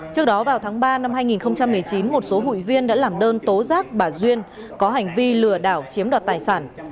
trước đó vào tháng ba năm hai nghìn một mươi chín một số hụi viên đã làm đơn tố giác bà duyên có hành vi lừa đảo chiếm đoạt tài sản